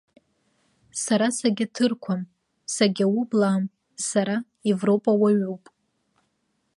Сара сагьаҭырқәам, сагьаублаам, сара европауаҩуп!